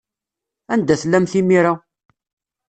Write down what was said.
Anda tellamt imir-a?